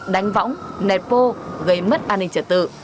đánh võng nẹt vô gây mất an ninh trật tự